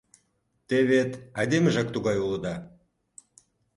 Те вет... айдемыжак тугай улыда!